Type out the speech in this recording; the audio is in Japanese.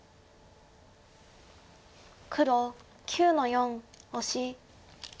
黒９の四オシ。